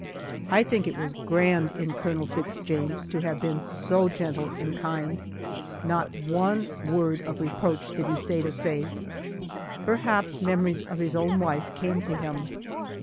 I think it was grand in Colonel Fitz James to have been so gentle and kind not one word of reproach did he say to Faye. Perhaps memories of his own wife came to him.